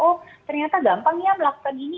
oh ternyata gampang ya melakukan ini